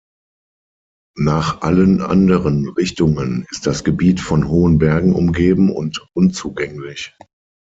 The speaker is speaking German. Nach allen anderen Richtungen ist das Gebiet von hohen Bergen umgeben und unzugänglich.